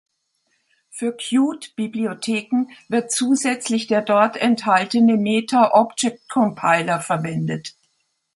Für Qt-Bibliotheken wird zusätzlich der dort enthaltene Meta-Object-Compiler verwendet.